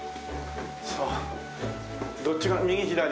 そうどっち側右？